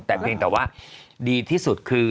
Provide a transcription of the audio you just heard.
แต่เพียงแต่ว่าดีที่สุดคือ